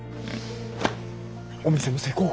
お店の成功